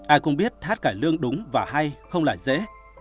ai cũng biết hát cải lương đúng và hay không là dễ